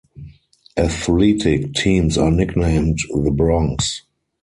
Athletic teams are nicknamed the Broncs.